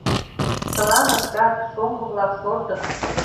Чылан ызгат, шоҥго-влак шортыт.